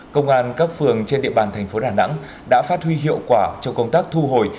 công an các phường trên địa bàn thành phố đà nẵng đã phát huy hiệu quả trong công tác thu hồi